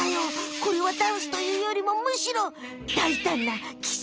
これはダンスというよりもむしろだいたんなキス。